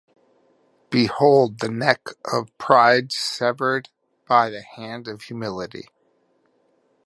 Behold the neck of pride severed by the hand of humility.